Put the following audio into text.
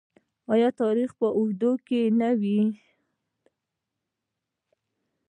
آیا د تاریخ په اوږدو کې نه وي؟